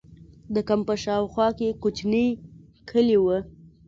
د کمپ په شا او خوا کې کوچنۍ کلي وو.